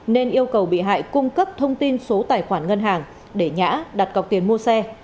nên yêu cầu bị hại cung cấp thông tin số tài khoản ngân hàng để nhã đặt cọc tiền mua xe